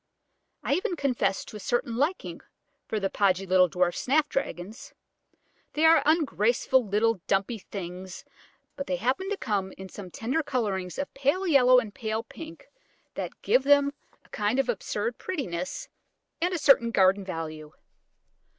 I even confess to a certain liking for the podgy little dwarf Snapdragons; they are ungraceful little dumpy things, but they happen to have come in some tender colourings of pale yellow and pale pink, that give them a kind of absurd prettiness, and a certain garden value.